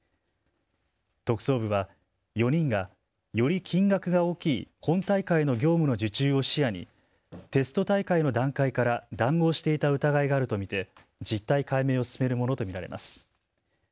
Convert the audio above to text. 特捜部は４人がより金額が大きい本大会の業務の受注を視野に、テスト大会の段階から談合していた疑いがあると見て実態解明を進めるものと見られます。